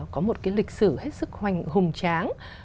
có một cái lịch sử hết sức hoành hùng tráng